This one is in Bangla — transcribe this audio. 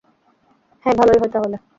হ্যাঁ, ভালোই হয় তাহলে।